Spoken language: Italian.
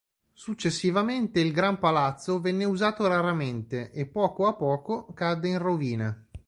Successivamente il Gran Palazzo venne usato raramente e, poco a poco, cadde in rovina.